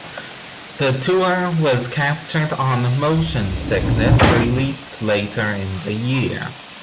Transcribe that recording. The tour was captured on "Motion Sickness", released later in the year.